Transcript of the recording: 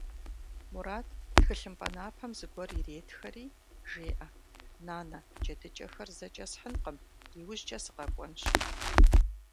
Мурат, тхылъымпӀэ напэм зыгуэр иретхэри, жеӀэ: - Нанэ, джэдыкӀэхэр зэкӀэ схьынкъым, иужькӀэ сыкъэкӀуэнщ.